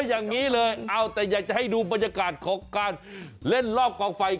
อย่างนี้เลยเอาแต่อยากจะให้ดูบรรยากาศของการเล่นรอบกองไฟ